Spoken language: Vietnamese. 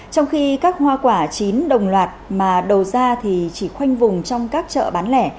trong khi các hoa quả chín đồng loạt mà đầu ra thì chỉ khoanh vùng trong các chợ bán lẻ